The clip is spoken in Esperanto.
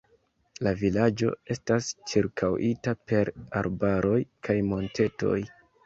La vilaĝo estas ĉirkaŭita per arbaroj kaj montetoj.